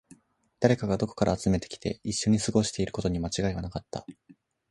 誰かがどこからか集めてきて、一緒に過ごしていることに間違いはなかった